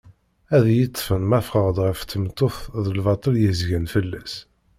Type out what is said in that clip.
Ad iyi-ṭfen ma fɣeɣ-d ɣef tmeṭṭut d lbaṭel yezgan fell-as.